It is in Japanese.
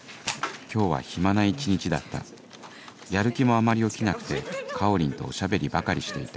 今日は暇な一日だったやる気もあまり起きなくてかおりんとおしゃべりばかりしていた